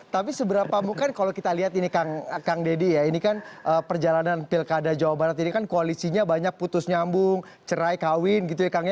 tapi seberapa mungkin kalau kita lihat ini kang deddy ya ini kan perjalanan pilkada jawa barat ini kan koalisinya banyak putus nyambung cerai kawin gitu ya kang ya